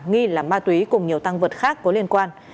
nghi là ma túy cùng nhiều tăng vật khác có liên quan